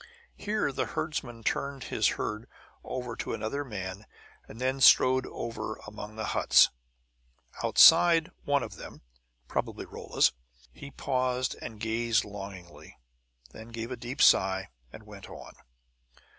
Here the herdsman turned his herd over to another man, and then strode over among the huts. Outside one of them probably Rolla's he paused and gazed longingly, then gave a deep sigh and went on.